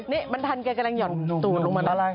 นี่มันทันเกลียดกำลังหย่อน